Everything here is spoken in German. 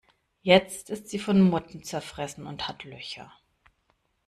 Jetzt ist sie von Motten zerfressen und hat Löcher.